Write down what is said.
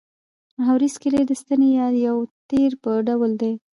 محوري سکلېټ د ستنې یا یو تیر په ډول دی.